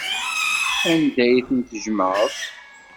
Anda ay ten-tjemɛeḍ?